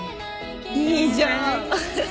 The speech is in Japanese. いいじゃん